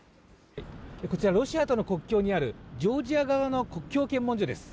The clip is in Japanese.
こちらはロシアとの国境にあるジョージア側の国境検問所です。